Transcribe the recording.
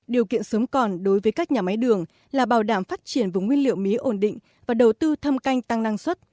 điều kiện sớm còn đối với các nhà máy đường là bảo đảm phát triển vùng nguyên liệu mía ổn định và đầu tư thâm canh tăng năng suất